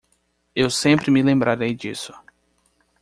Eu sempre me lembrarei disso.